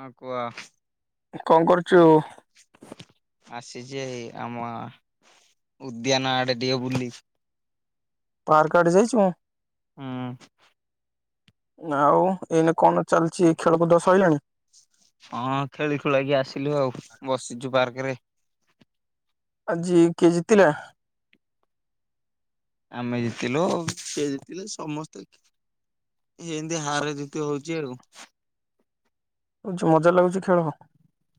ହଁ କୁହ। କଣ କରୁଚୁ? ଆସିଚି ଏ ଆମ ଉଦ୍ୟାନ ଆଡେ ଟିକେ ବୁଲି। ପାର୍କ ଆଡେ ଯାଇଚୁ ଆ। ହୁଁ। ଆଉ ଏଇନେ କଣ ଚାଲିଚି? ଅଁ, ଖେଳି ଖୁଳାଇକି ଆସିଲୁ ଆଉ, ବସିଚୁ ପାର୍କରେ। ଆଜି କିଏ ଜିତିଲା? ଆମେ ଜିତିଲୁ, ସିଏ ଜିତିଲେ, ସମସ୍ତେ ଖେ ଏମତି ହାର ଜିତି ହୋଉ ଯେଳୁ ଯୋଉ ମଜା ଲାଗୁଛି ଖେଳ।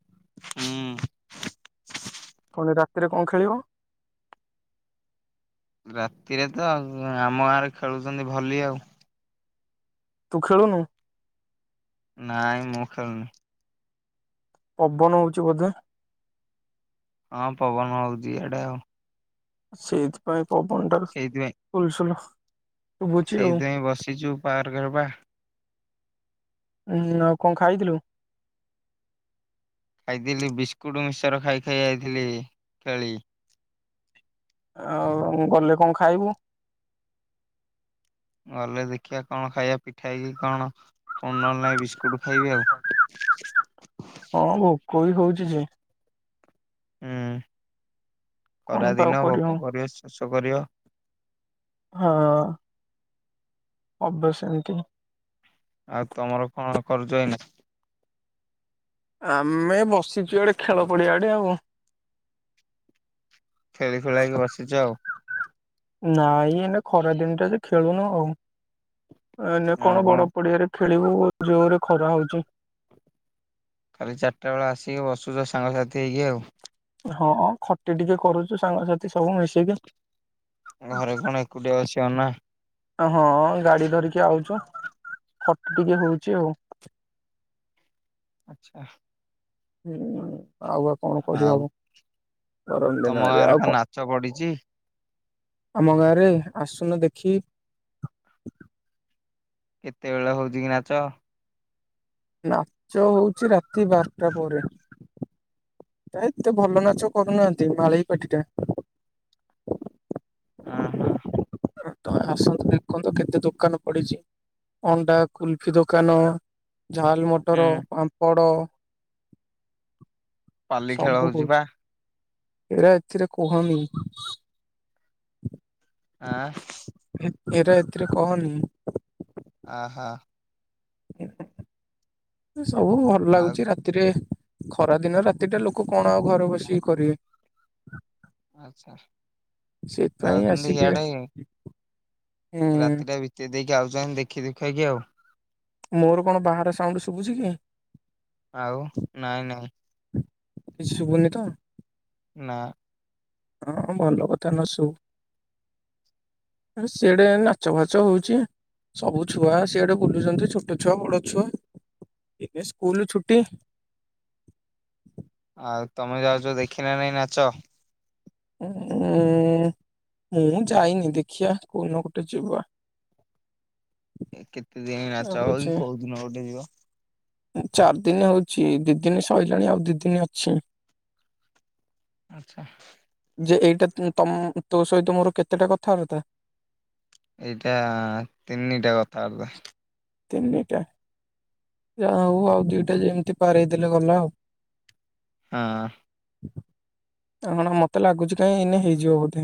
ହୁଁ-ଉଁ [unintelligible] ଫେରେ ରାତିରେ କଣ ଖାଇବ? [inaudible] ରାତିରେ ତ ଆଉ, ଆମ ଗାଁରେ ଖେଳୁଚନ୍ତି ଭଲି ଆଉ। ତୁ ଖେଳୁନୁ? ନାଇଁ, ମୁଁ ଖେଳୁ ନେଇଁ। ପବନ ହୋଉଛି ବୋଧେ? ହଁ, ପବନ ହୋଉଛି ଇଆଡେ ଆଉ। ହଁ, ସେଇଥିପାଇଁ ପବନ ଟାର ସୁଲୁ ସୁଲୁ। ସେଇତି ପାଇଁ, ବସିଚୁ ପାର୍କ ରେ ପା। ଉଁ-ଉଁ, ଆଉ କଅ ଖାଇଥିଲୁ? [inaudible] ଖାଇଥିଲି ବିସ୍କୁଟ ମିକସଚର ଖାଇ-ଖାଇ ଆଇଥିଲି [inaudible] ଖେଳି। ଆ-ଆ-ଆଉ ଗଲେ କଅ ଖାଇବୁ? ଗଲେ ଦେଖିଆ କଣ ଖାଇବା, ପିଠା କି କଣ, ଫୁଣି ନ ହେଲେ ନାଇଁ ବିସ୍କୁଟ ଖାଇବି ଆଉ। [inaudible] ହଁ ଭୋକ ବି ହୋଉଚି ଯେ। ଉଁ-ଉଁ। କଣ ବା ଆଉ ଖାରାଦିନ କରିବୁ ଭୋକ କରବ ସିଓ-ସିଓ କରିଅ। ହଁ-ଅଁ। ଅଭ୍ୟାସ ଏମତି। ଆଉ ତମର କଣ କରୁଚ ଏଇନେ? ଆ-ମ୍-ମେ, ବସିଚୁ ଏଆଡେ, ଖେଳ ପଡିଆ ଆଡେ ଆଉ। [inaudible] ଖେଳି-ଖୁଳା କି ବସିଚୁ ଆଉ। ନାଇଁ, ଏଇନେ ଖରା ଦିନୁଟା ଯେ, ଖେଳୁନୋଉଁ ଆଉ। ନାଇଁ-ନାଇଁ କଣ ବଡ ପଡିଆରେ ଖେ ଖେଳିବୁ ଜୋରେ ଖରା ହୋଉଚି। ଖାଲି ଚାରିଟା ବେଳେ ଆସିକି ବସୁଛ ସାଙ୍ଗସାଥି ହେଇକି ଆଉ। ହଁ-ଅଁ ଖଟି ଟିକେ କରୁଚୁ ସାଙ୍ଗସାଥି ସବୁ ମିଶିକି ଘରେ କଣ ଏକୁଟିଆ ବସିବ ନା। [inaudible] ହଁ-ଅଁ ଏ ଗାଡି ଧରିକି ଆଉଚୁ। [unintelligible] ହଟ କୁ ଟିକେ ହୋଉଚି ଆଉ। ଆଚ୍ଛା-ଆ। ହୁଁ-ଉଁ-ଉଁ। ଆଉ ବା କଣ ଆଉ କରିହବ? ଗରମ ତମ ଦିନ ଏବେ, ଗାଁରେ ଆଉ ପା କଅ? ନାଚ ପଡିଛି [inaudible] [inaudible] ଆମ ଗାଁରେ? ଆସୁନ ଦେଖି [unintelligible] କେତେବେଳେ ହୋଉଚି କି ନାଚ? ନାଚ ହୋଉଚି ରାତି ବାରଟା ପରେ, ଏ-ଏତେ ଭଲ ନାଚ କରୁନାଆନ୍ତି ମାଳେଇ ପାଟିଟା। [inaudible] ଆ-ହା। ତମେ ଆସନ୍ତୁ ଦେଖନ୍ତ କେତେ ଦୋକାନ ପଡିଛି ଅଣ୍ଡା କୁଲଫି ଦୋକାନ ଝାଲ ମଟର ହୁଁ ପାମ୍ପଡ଼ [inaudible] ପାଲି ଖେଳ ହଉଚି ଯିବା ଏରା ଏଥିରେ କୁହନି [inaudible] ଆଁ ଏରା ଏଥିରେ କହନି ଆହା [unintelligible] ସବୁ ଭଲ ଆଉ ଲାଗୁଚି ରାତିରେ ଖରାଦିନେ ରେ ରାତିଟା ଲୋକ କଣ ଆଉ ଘରେ ବସିକି କରିବେ? ଆଛା ସେଇଥିପାଇଁ ଆଉଚନ୍ତି କି ଆସିକି ଇଆଡେ? ଉଁ ରାତିଟା ବିତେଇ ଦେଇ କିଏ ଆଉଚନ୍ତି ଦେଖି ଦେଖେଇକି ଆଉ ମୋର କଣ ବାହାର ସାଉଣ୍ଡ ଶୁଭୁଛି କି? ଆଉ ନାଇଁ ନାଇଁ କିଛି ଶୁଭୁନି ତ? ନା ହଁ ଭଲ କଥା ନ ଶୁଭୁ, ଆରେ ସିଆଡେ ନାଚ ଫାଚ ହଉଚି ସବୁ ଛୁଆ ସିଆଡେ ବୁଲୁଛନ୍ତି ଛୋଟ ଛୁଆ ବଡ ଛୁଆ ଏବେ ସ୍କୁଲ ଛୁଟି ଆଉ ତମେ ଯାଉଛ ଦେଖିଲ ନା ନାାଇଁ ନାଚ? ଉଁ ମୁଁ ଯାଇନି ଦେଖିଆ କୋଉନ ଗୋଟେ ଯିବା ଏ କେତେ ଦିନ ଆଉ ନାଚ ହବ କି ହଉଛି କୋଉ ଦିନ ଗୋଟେ ଯିବ ଚାରି ଦିନ ହଉଛି ଦି ଦିନି ସଇଲାଣି ଆଉ ଦି ଦିନି ଅଛି। ଆଛା ଯେ ଏଇଟା ତମ୍ ତୋ ସହିତ ମୋର କେତେଟା କଥାବାର୍ତ୍ତା? ଏଇଟା ତିନିଟା କଥାବାର୍ତ୍ତା ତିନିଟା ଯା ହଉ ଆଉ ଦିଟା ଯେମିତି ପାରେଇ ଦେଲେ ଗଲା ଆଉ। ହଁ [unintelligible] ମତେ ଲାଗୁଛି କାଇଁ ଏଇନେ ହେଇଯିବ ବୋଧେ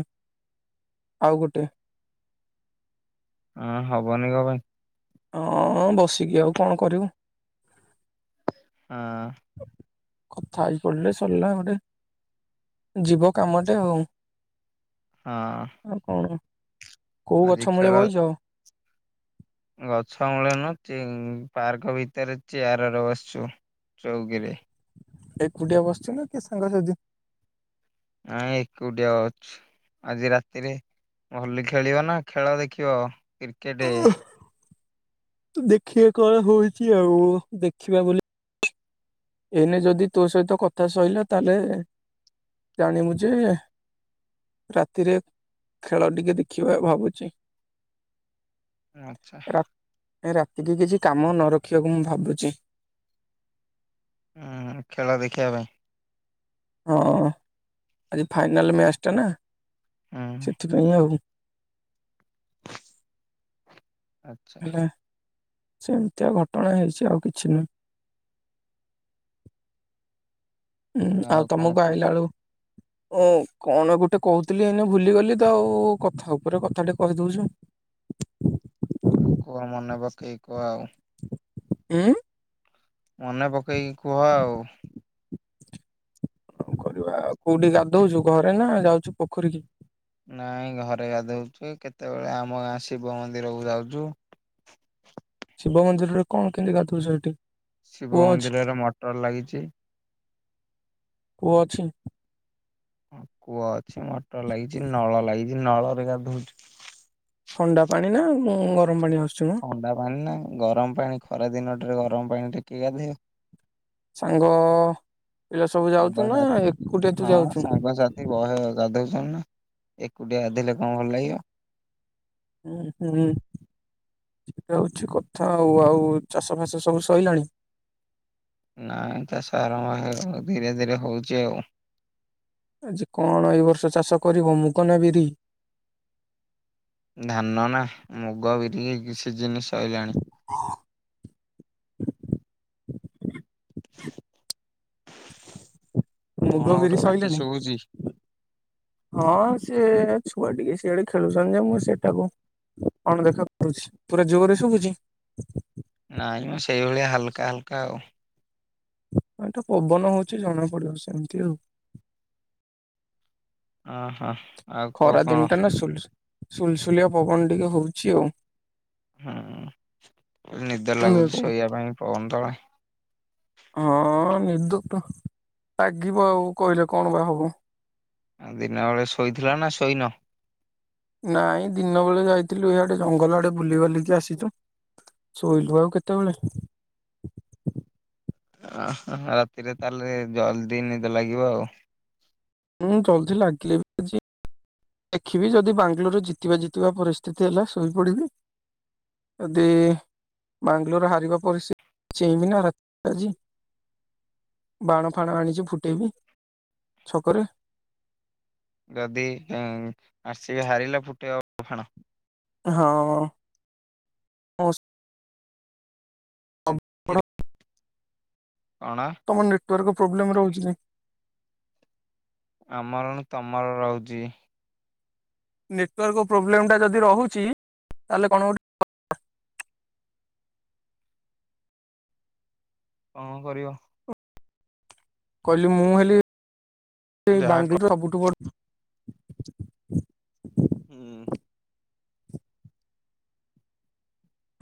ଆଉ ଗୋଟେ। ହଁ ହବନି କଣ ହଁ ବସିକି ଆଉ କଣ କରିବୁ? ହଁ କଥା ହେଇ ପଡିଲେ ସରିଲା ଗୋଟେ ଯିବ କାମଟେ ଆଉ ଆଉ ହଁ କଣ? କୋଉ ଆଜି ଗଛ ମୂଳେ ଖେଳ ବଇଚ? ଗଛ ମୂଳେ ନୁହେଁ [inaudible] ପାର୍କ ଭିତରେ ଚେୟାରରେ ବସଛୁ ଚଉକିରେ। ଏକୁଟିଆ ବସିଛ ନା କିଏ ସାଙ୍ଗସାଥି? ନାଇଁ ଏକୁଟିଆ ଅଛି, ଆଜି ରାତିରେ ହୋଲି ଖେଳିବ ନା ଖେଳ ଦେଖିବ? କ୍ରିକେଟେ ତ ଦେଖିବା କଣ ହୋଇଛି ଆଉ ଦେଖିବା ବୋଲି ଏଇନେ ଯଦି ତୋ ସହିତ କଥା ସଇଲା ତାହେଲେ ଜାଣିବୁ ଯେ ରାତିରେ ଖେଳ ଟିକେ ଦେଖିବା ଭାବୁଚି। ଆଛା ରାତିକି କିଛି କାମ ନ ରଖିବାକୁ ମୁଁ ଭାବୁଛି। ହୁଁ ଖେଳ ଦେଖିବା ପାଇଁ ହଁ ଆଜି ଫାଇନାଲ ମ୍ୟାଚ୍ ଟା ନା ହୁଁ ସେଥିପାଇଁ ଆଉ। ଆଛା ହେଲା ସେମିତିଆ ଘଟଣା ହେଇଛି ଆଉ କିଛି ନୁହେଁ। ହୁଁ ଆଉ କଣ ତମକୁ କୁହ ଆଇଲା ବେଳୁ ଓ କଣ ଗୋଟେ କହୁଥିଲି ଏଇନ ଭୁଲିଗଲି ତ ଆଉ କଥା ଉପରେ କଥା ଟେ କହିଦଉଛୁ। ଆଉ କୁହ ମନେ ପକେଇ କୁହ ଆଉ। ଉଁ ମନେ ପକେଇକି କୁହ ଆଉ। କରିବା ଆଉ କୋଉଠି ଗାଧଉଛୁ ଘରେ ନା ଯାଉଛୁ ପୋଖରୀ କି ନାଇଁ ଘରେ ଗାଧଉଛିୁ କେତେବେଳେ ଆମ ଗାଁ ଶିବ ମନ୍ଦିର କୁ ଯାଉଛୁ। ଶିବ ମନ୍ଦିର ରେ କଣ କେମତି ଗାଧୋଉଛ? ଶିବ ମନ୍ଦିରରେ ମଟର ଲାଗିଛି। କୁଅ ଅଛି। ହଁ କୂଅ ଅଛି, ମଟର ଲାଗିଛି, ନଳ ଲାଗିଛି। ନଳରେ ଗାଧଉଛିୁ। ଥଣ୍ଡା ପାଣି ନାଉ ଗରମ ପାଣି ଆସୁଛି ମ ଥଣ୍ଡା ପାଣି ନା ଗରମ ପାଣି ଖରା ଦିନ ଟରେ ଗରମ ପାଣି କିଏ ଗାଧଅ ସାଙ୍ଗ ପିଲା ସବୁ ଯାଉଛୁ ନା ସାଙ୍ଗସାଥି ଏକୁଟିଆ ତୁ ହଁ ଯାଉଛୁ ସାଙ୍ଗସାଥି ବୟ ଗାଧୁ ଏକୁଟିଆ ଗାଧେଲେ କଣ ଭଲ ଲାଗିବ? ହୁଁ ହୁଁ ଠିକଉଛି କଥା ଆଉ ଆଉ ଚାଷ ଫାସ ସବୁ ସରିଲାଣି। ନାଇଁ ତା ସାର ମା ଧୀରେ ଧୀରେ ହଉଛି ଆଉ। ଆଜି କଣ ଏ ବର୍ଷ ଚାଷ କରିବ ମୁକ ନା ବିରି? ଧାନ ନା ମୁଗ ବିରିିକ କିଛି ଜିନିଷ ସଇଲାଣି। [inaudible] [inaudible] କଣ ମୁଗ ବିରି ଗୋଟେ ପାଟି ସରିଲଣି ଶୁଭୁଛି। ହଁ ସିଏ ଛୁଆ ଟିକେ ସିଆଡେ ଖେଳୁଛନ୍ତି ଯେ ମୁଁ ସେଇଟାକୁ ଅଣ ଦେଖା କରୁଛି ପୁରା ଯୋରେ ଶୁଭୁଛି। ନାଇଁ ମୁଁ ସେଇଭଳିଆ ହାଲକା ହାଲକା ଆଉ। ଏଟା ପବନ ହଉଛି ଜଣା ପଡିବ ସେମିତି ଆଉ। ଓ ହୋ ଖରା ଦିନଟା ନା ଶୁଲଶୁ ସୁଲସୁଲିଆ ପବନ ଟିକେ ହୋଉଚି ଆଉ। ହୁଁ ନିଦ ନା ଲାଗୁଚି କଣ ଶୋଇବା ପାଇଁ ପବନ ତଳେ। ହଁ ନିଦ ତ ଲାଗିବ ଆଉ କହିଲେ କଣ ବା ହବ? ଦିନ ବେଳେ ଶୋଇଥିଲ ନାଁ ଶୋଇନ? ନାଇଁ ଦିନ ବେଳେ ଯାଇଥିଲୁ ହିଆଡେ ଜଙ୍ଗଲ ଆଡ଼େ ବୁଲି ବାଲିକି ଆସିଚୁ ଶୋଇଲୁ ଆଉ କେତୋଏଳେ। ରାତିରେ ତାଲେ ଜଲଦି ନିଦ ଲାଗିବ ଆଉ। ଉଁ ଜଲଦି ଲାଗିଲେ ବି ଜି ଦେଖିବି ଯଦି ବାଙ୍ଗାଲୋରରେ ଜିତିବା ଜିତିବା ପରିସ୍ଥିତି ହେଲା ଶୋଇପଡିବି ଯଦି ବାଙ୍ଗାଲୋର ହାରିବା ପରିସ୍ଥିତି ଚେଇଁମି ନା ରାତିରେ ଆଜି। ବାଣ ଫାଣ ଆଣିଚି ଫୁଟେଇବି ଛକରେ। ରଦି ଉଁ ଆର ସି ବି ହାରିଲା ଫୁଟେଅ ଆଣ। ହଁ ମସ୍ ଅଣା ଟୁୱାର୍କ ପ୍ରୋବଲେମ୍ ରହୁଚି କି? ଆମରନୁ ତମର ରହୁଚି। ନେଟୱାର୍କ ପ୍ରୋବ୍ଲେମ୍ ଟା ଯଦି ରହୁଚି ତାଲେ କଣ ଗୋଟେ [inaudible] କଣ କରିବ? କହିଲି ମୁଁ ହେଲି ଇ ଯାହା କ ବାଙ୍ଗଲୋର ସବୁଠୁ ବଡ଼ ହୁଁ।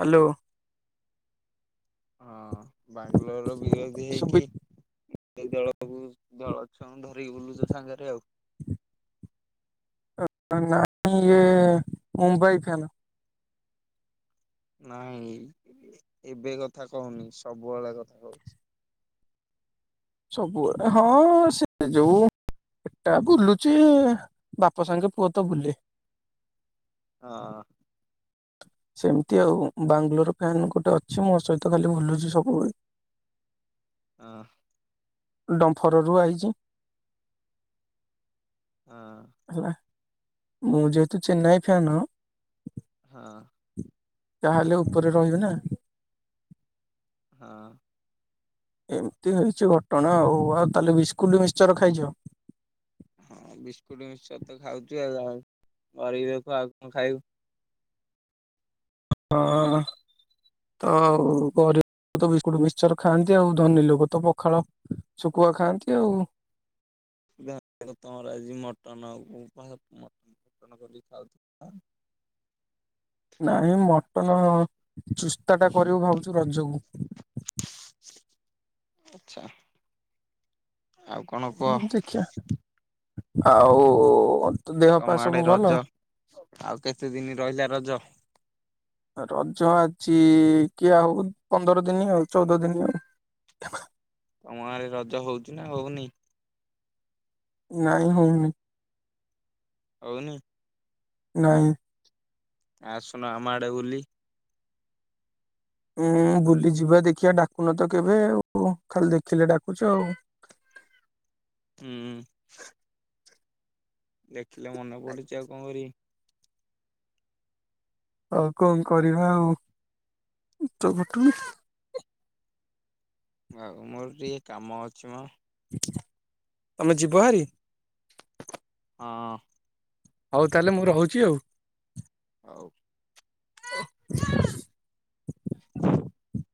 ହାଲୋ। ହଁ। ବାଙ୍ଗଲୋରର ବିରୋଧୀ ସୁବି ହେଇକି ସେଇ ଦଳକୁ ଦଳଛୁଆଙ୍କୁ ଧରିକି ବୁଲୁଚ ସାଙ୍ଗରେ ଆଉ। ଅ ନାଇଁ ଇଏ‌ ମୁମ୍ବାଇ ଫ୍ୟାନ। ନାଇଁ ଏବେ କଥା କହୁନି ସବୁବେଳେ କଥା କହୁଚି। ସବୁବେଳେ ହଁ ସେ ଯୋଉ ଏଟା ବୁଲୁଚି ବାପ ସାଙ୍ଗେ ପୁଅ ତ ବୁଲେ। ହଁ। ସେମିତି ଆଉ ବାଙ୍ଗଲୋର ଫ୍ୟାନ ଗୋଟେ ଅଛି ମୋ ସହିତ ଖାଲି ବୁଲୁଚି ସବୁବେଳେ। କଁ। ଡମ୍ଫରରୁ ଆଇଚି। ହଁ ହେଲା ମୁଁ ଯେହେତୁ ଚେନ୍ନାଇ ଫ୍ୟାନ ହଁ। ତାହେଲେ ଉପରେ ରହିବି ନାଁ? ହଁ। ଏମିତି ହେଇଚି ଘଟଣା ଆଉ ଆଉ ତାହେଲେ ବିସ୍କୁଟ ମିକ୍ସ୍ଚର ଖାଇଚ? ହଁ ବିସ୍କୁଟ ମିସ୍ଚର ତ ଖାଉଚୁ ଆଉ ଗରିବ ଲୋକ ଆଉ କଣ ଖାଇବୁ ହଁ ତ ଗରିବ ବିସ୍କୁଟ ମିକସଚର ଖାଆନ୍ତି ଆଉ ଧନୀ ଲୋକ ତ ପଖାଳ ଶୁଖୁଆ ଖାଆନ୍ତି ଆଉ। ଯା [inaudible] ତମର ଆଜି ମଟନକୁ ପାହ ମଟଟ କରି ଖାଉଥୁବ ନାଇଁ ମଟନ ଚୁସ୍ତାଟା କରିବୁ ଭାବୁଚୁ ରଜକୁ। ଆଚ୍ଛା। ଆଉ କଣ କୁହ [inaudible] ଦେଖିବା। ଆଉ ତୋ ଦେହ ପା ତମ ଆଡେ ସବୁ ଭଲ? ରଜ ଆଉ କେତେ ଦିନ ରହିଲା ରଜ- ରଜ ଅଛି କିଏ ହଉ ପନ୍ଦର ଦିନି ଆଉ ଚଉଦ ଦିନି ଆଉ- ତମ ଗାଁରେ ରଜ ହଉଛି ନା ହଉନି- ନାଇଁ ହଉନି- ହଉନି- ନାଇଁ- ଆସୁନ ଆମ ଆଡେ ବୁଲି- ଉଁ ବୁଲି ଯିବା ଦେଖିବା ଡାକୁନ ତ କେବେ ଆଉ ଖାଲି ଦେଖିଲେ ଡାକୁଛ ଆଉ- ହୁଁ ଦେଖ ଦେଖିଲେ ମନେ ପଡୁଛି ଆଉ କଣ କରି- ଆଉ କଣ କରିବା ଆଉ ଉପଟ- ଆଉ ମୋର ଟିକେ କାମ ଅଛି ମ ତମେ ଯିବ ଭାରି- ହଁ ହଉ ତାହେଲେ ମୁଁ ରହୁଛି ଆଉ- ହଉ [inaudible] [inaudible]